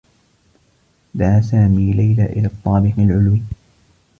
دعى سامي ليلى إلى الطّابق العلوي.